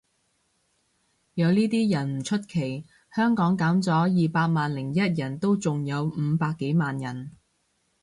有呢啲人唔出奇，香港減咗二百萬零一人都仲有五百幾萬人